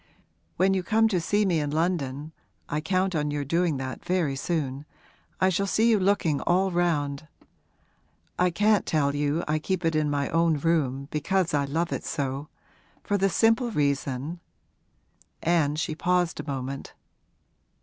When you come to see me in London (I count on your doing that very soon) I shall see you looking all round. I can't tell you I keep it in my own room because I love it so, for the simple reason ' And she paused a moment.